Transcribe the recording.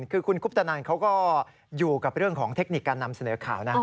คือคุณคุปตนันเขาก็อยู่กับเรื่องของเทคนิคการนำเสนอข่าวนะ